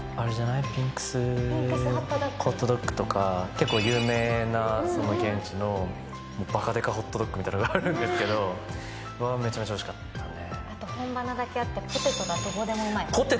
結構有名な現地のばかでかホットドッグみたいなのがあるんだけどそれはめちゃめちゃおいしかったね。